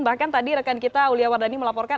bahkan tadi rekan kita aulia wardani melaporkan